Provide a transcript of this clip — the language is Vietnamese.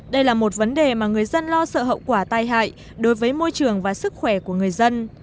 đây là một vấn đề mà người dân lo sợ hậu quả tai hại đối với môi trường và sức khỏe của người dân